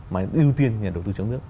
mà ưu tiên nhà đầu tư trong nước